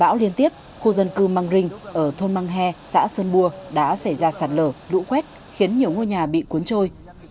ở thôn măng he xã sơn bô đã xảy ra sạt lở lũ quét khiến nhiều ngôi nhà bị cuốn trôi